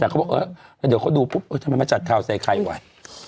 แต่เขาบอกเออแล้วเดี๋ยวเขาดูปุ๊บเออทำไมมาจัดข่าวใส่ไข่ไหว